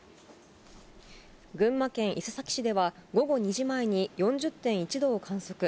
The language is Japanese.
群馬県伊勢崎市では、午後２時前に４０．１度を観測。